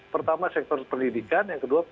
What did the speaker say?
pertama sektor pendidikan yang kedua